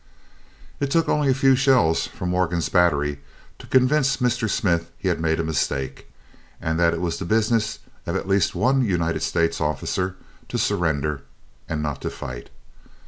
It took only a few shells from Morgan's battery to convince Mr. Smith he had made a mistake, and that it was the business of at least one United States officer to surrender, and not to fight.